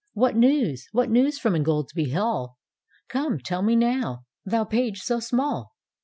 What news? what news from Ingoldsby Hall? Come tell me now, thou page so small!